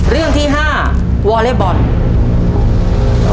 เรื่องที่๕วอเล็กบอล